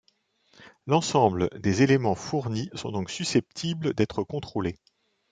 L'ensemble des éléments fournis sont donc susceptibles d'être contrôlés.